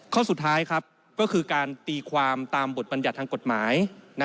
ข้อสุดท้ายก็คือการตีความตามบทบรรยัททางกฎหมาย